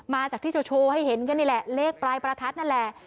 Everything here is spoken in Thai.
มาจากที่จะโชว์ให้เห็นกันนี่แหละเลขปลายประทัดนั่นแหละ